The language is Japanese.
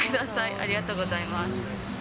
ありがとうございます。